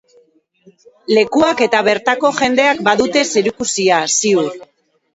Lekuak eta bertako jendeak badute zerikusia, ziur.